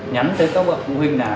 nhắn tới các bậc phụ huynh là